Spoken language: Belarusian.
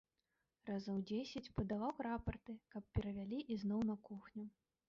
Разоў дзесяць падаваў рапарты, каб перавялі ізноў на кухню.